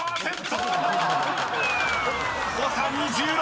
［誤差２６！］